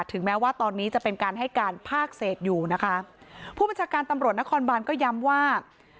แม้ว่าตอนนี้จะเป็นการให้การภาคเศษอยู่นะคะผู้บัญชาการตำรวจนครบานก็ย้ำว่า